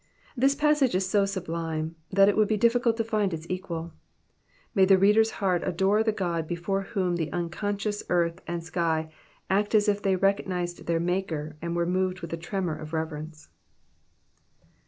This passage is so sublime, that it would bo difficult to find its equal. May the reader^s heart adore the God before whom the unconscious earth and sky act as if they recog nised their Maker and were moved with a tremor of reverence.